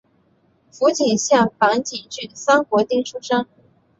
福井县坂井郡三国町出身。